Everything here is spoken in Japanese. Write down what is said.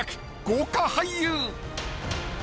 豪華俳優！